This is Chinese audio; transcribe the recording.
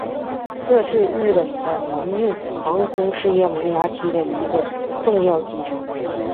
这是日本的民用航空事业萌芽期的一个重要机场。